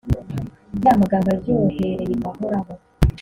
ya magambo aryohereye ahoraho